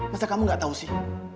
masa kamu gak tahu sih